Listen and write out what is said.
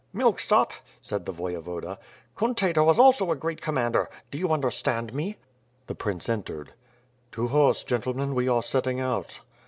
"Milksop!" said the Voyevoda. "Cuntator was also a great commander. Do you understand me?" The prince entered. "To horse, gentlemen, we are setting out."